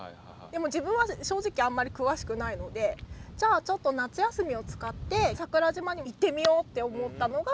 でも自分は正直あんまり詳しくないのでじゃあちょっと夏休みを使って桜島に行ってみようって思ったのが最初のきっかけで。